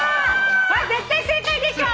これ絶対正解でしょ。